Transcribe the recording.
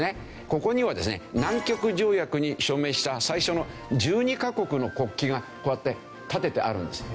ここにはですね南極条約に署名した最初の１２カ国の国旗がこうやって立ててあるんです。